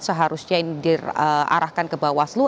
seharusnya ini diarahkan ke bawaslu